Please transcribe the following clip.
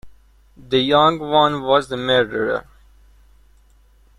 The young one was the murderer.